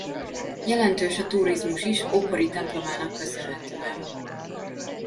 Jelentős a turizmus is ókori templomának köszönhetően.